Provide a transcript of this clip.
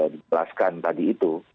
diperlaskan tadi itu